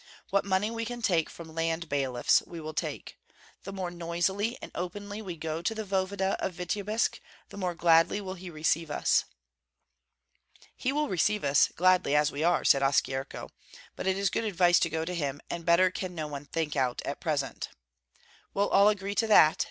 What money we can take from land bailiffs we will take. The more noisily and openly we go to the voevoda of Vityebsk, the more gladly will he receive us." "He will receive us gladly as we are," said Oskyerko. "But it is good advice to go to him, and better can no one think out at present." "Will all agree to that?"